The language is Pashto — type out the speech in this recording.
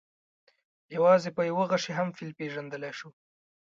یوازې په یوه غشي هم فیل پېژندلی شو.